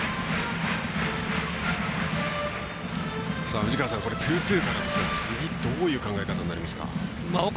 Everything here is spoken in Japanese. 藤川さん、ツーツーからですが次、どういう考え方になりますか。